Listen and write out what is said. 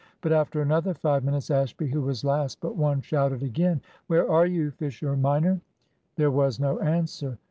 But after another five minutes, Ashby, who was last but one, shouted again. "Where are you, Fisher minor?" There was no answer.